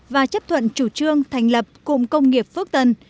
và chấp thuận chủ trương thành lập cụm công nghiệp phước tân